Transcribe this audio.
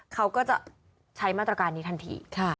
เขาก็จะใช้มาตรการนี้ทันที